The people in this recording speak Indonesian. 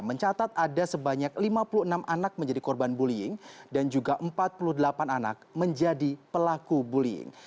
mencatat ada sebanyak lima puluh enam anak menjadi korban bullying dan juga empat puluh delapan anak menjadi pelaku bullying